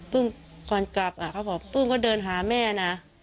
ก่อนกลับเขาบอกปื้มก็เดินหาแม่นะ